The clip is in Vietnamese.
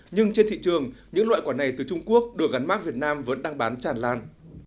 nhưng trên thị trường những loại quả này từ trung quốc được gắn mát việt nam vẫn đang bán tràn lan